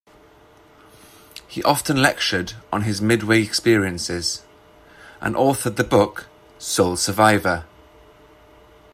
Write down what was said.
He often lectured on his Midway experiences, and authored the book "Sole Survivor".